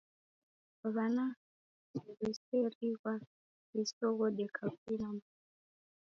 W'ana ndew'eresighwaa w'isoghode kavui na modo.